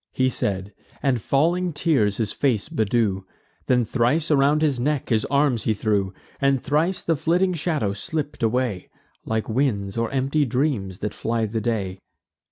He said; and falling tears his face bedew: Then thrice around his neck his arms he threw; And thrice the flitting shadow slipp'd away, Like winds, or empty dreams that fly the day.